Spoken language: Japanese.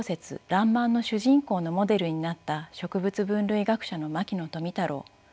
らんまん」の主人公のモデルになった植物分類学者の牧野富太郎。